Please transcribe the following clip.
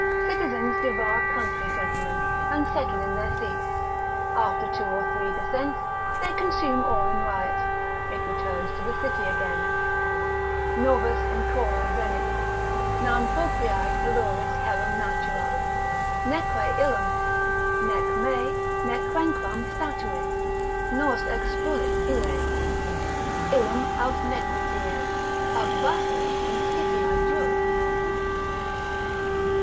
Citizens devour country gentlemen, and settle in their seats; after two or three descents, they consume all in riot, it returns to the city again. ———Novus incola venit; Nam propriae telluris herum natura, neque illum. Nec me, nec quenquam statuit; nos expulit ille: Illum aut nequities, aut vafri inscitia juris.